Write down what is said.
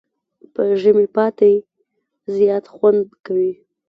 په ژمي پاتی زیات خوند کوي.